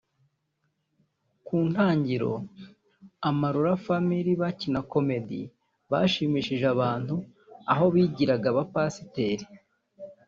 Ku ntangiro Amarula Family bakina Comedy bashimishije abantu aho bigiraga abapasiteri